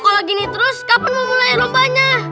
kalo gini terus kapan mau mulai rombanya